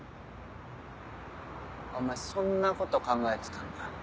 お前そんなこと考えてたんだ。